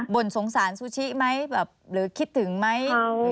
่นสงสารซูชิไหมแบบหรือคิดถึงไหม